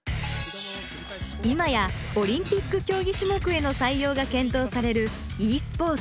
今やオリンピック競技種目への採用が検討されるｅスポーツ。